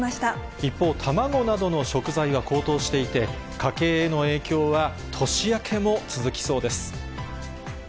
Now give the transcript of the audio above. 一方、卵などの食材は高騰していて、家計への影響は年明けも続きそうです。